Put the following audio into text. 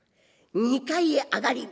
２階へ上がります。